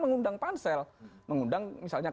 mengundang pansel mengundang misalnya